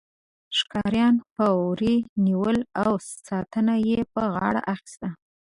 ښکاریانو به وري نیول او ساتنه یې په غاړه اخیسته.